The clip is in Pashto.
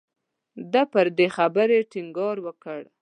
ده پر دې خبرې ټینګار وکړ.